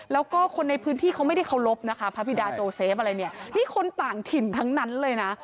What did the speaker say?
แล้วก็คนในพื้นที่เขาไม่ได้เคารพนะคะพระบิดาโจเซฟอะไรเนี่ยนี่คนต่างถิ่นทั้งนั้นเลยนะ